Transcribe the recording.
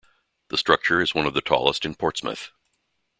The structure is one of the tallest in Portsmouth.